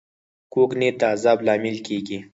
کوږ نیت د عذاب لامل کېږي